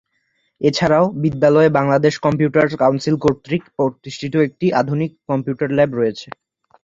এছাড়াও বিদ্যালয়ে Bangladesh computer council কর্তৃক প্রতিষ্ঠিত একটি অত্যাধুনিক কম্পিউটার ল্যাব রয়েছে।